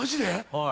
はい。